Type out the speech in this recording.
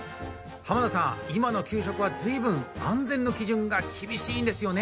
濱田さん、今の給食は随分安全の基準が厳しいんですよね？